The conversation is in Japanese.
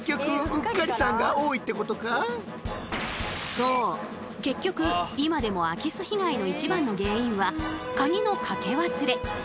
そう結局今でも空き巣被害の一番の原因はカギのかけ忘れ。